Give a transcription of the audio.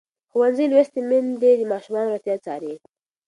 ښوونځې لوستې میندې د ماشومانو روغتیا څاري.